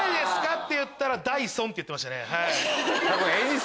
って言ったら「ダイソン」って言ってましたね。